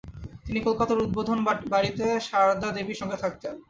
তিনি কলকাতার উদ্বোধন বাটীতে সারদা দেবীর সঙ্গে থাকতেন।